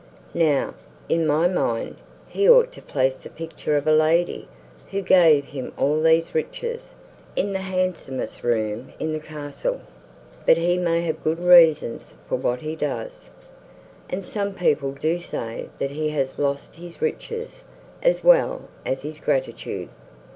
Now, in my mind, he ought to place the picture of a lady, who gave him all these riches, in the handsomest room in the castle. But he may have good reasons for what he does: and some people do say that he has lost his riches, as well as his gratitude.